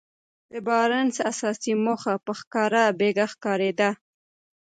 د بارنس اساسي موخه په ښکاره پيکه ښکارېده.